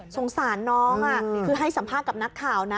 สงสารน้องคือให้สัมภาษณ์กับนักข่าวนะ